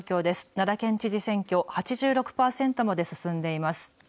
奈良県知事選挙、８６％まで進んでいます。